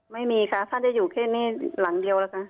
ไม่มีค่ะท่านจะอยู่แค่นี้หลังเดียวแล้วค่ะ